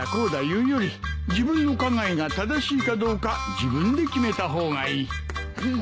言うより自分の考えが正しいかどうか自分で決めた方がいい。